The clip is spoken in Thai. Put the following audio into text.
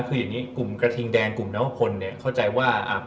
คืออย่างนี้กลุ่มกระทิงแดงกลุ่มนวพลเนี่ยเข้าใจว่า